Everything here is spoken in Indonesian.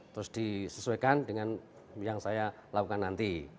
terus disesuaikan dengan yang saya lakukan nanti